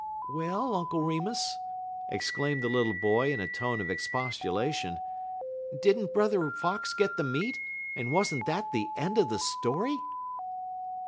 "Well, Uncle Remus," exclaimed the little boy, in a tone of expostulation, "did n't Brother Fox get the meat, and was n't that the end of the story?"